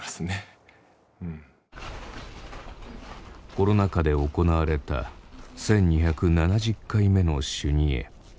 コロナ禍で行われた１２７０回目の修二会。